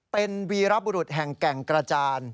เป็นวีรบุรุษแห่งแก่งกระจาน